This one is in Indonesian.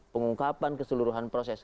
pengungkapan keseluruhan proses